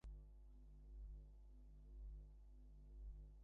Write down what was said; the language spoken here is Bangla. এই খাতায় তার বাড়ির সমস্ত চিঠি ও টেলিগ্রাম রওনা করবার দিনক্ষণ টোকা থাকে।